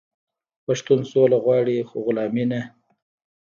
پښتون سوله غواړي خو غلامي نه.